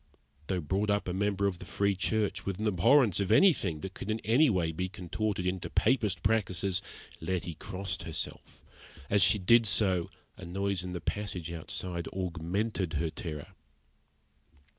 Though brought up a member of the Free Church, with an abhorrence of anything that could in any way be contorted into Papist practices, Letty crossed herself. As she did so, a noise in the passage outside augmented her terror.